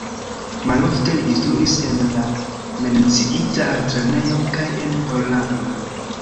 Malofte li instruis en la menciita altlernejo kaj en Pollando.